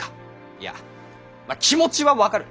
いやぁ気持ちは分かる。